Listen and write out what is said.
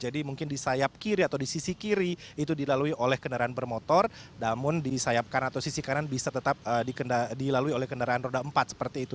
di kiri itu dilalui oleh kendaraan bermotor namun disayapkan atau sisi kanan bisa tetap dilalui oleh kendaraan roda empat seperti itu